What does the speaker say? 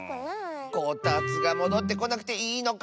こたつがもどってこなくていいのか？